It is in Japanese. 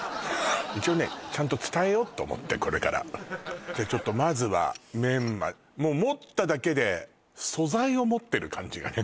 一応ねちゃんと伝えようと思ってこれからじゃちょっとまずはメンマもう持っただけで素材を持ってる感じがね